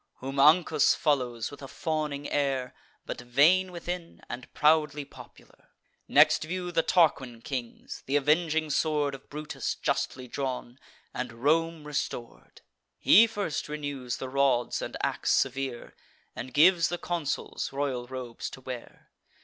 Whom Ancus follows, with a fawning air, But vain within, and proudly popular. Next view the Tarquin kings, th' avenging sword Of Brutus, justly drawn, and Rome restor'd. He first renews the rods and ax severe, And gives the consuls royal robes to wear.